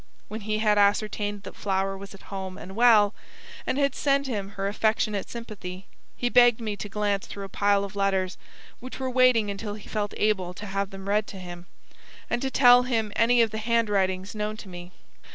When he had ascertained that Flower was at home and well, and had sent him her affectionate sympathy, he begged me to glance through a pile of letters which were waiting until he felt able to have them read to him, and to tell him any of the handwritings known to me.